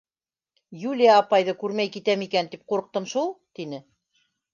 — Юлия апайҙы күрмәй китәм икән тип ҡурҡтым шул, — тине.